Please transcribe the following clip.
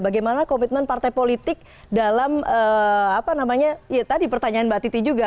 bagaimana komitmen partai politik dalam pertanyaan mbak titi juga